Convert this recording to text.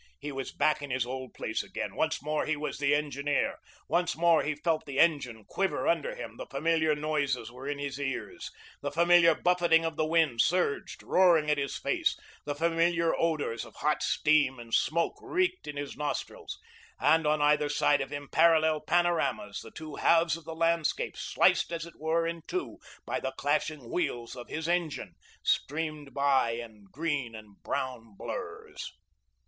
He was back in his old place again; once more he was the engineer; once more he felt the engine quiver under him; the familiar noises were in his ears; the familiar buffeting of the wind surged, roaring at his face; the familiar odours of hot steam and smoke reeked in his nostrils, and on either side of him, parallel panoramas, the two halves of the landscape sliced, as it were, in two by the clashing wheels of his engine, streamed by in green and brown blurs.